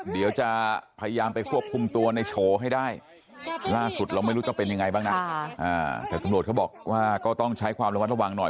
เดี๋ยวจะพยายามไปควบคุมตัวในโฉให้ได้ล่าสุดเราไม่รู้จะเป็นยังไงบ้างนะแต่ตำรวจเขาบอกว่าก็ต้องใช้ความระมัดระวังหน่อย